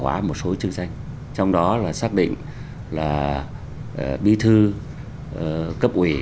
hóa một số chương tranh trong đó là xác định là bi thư cấp ủy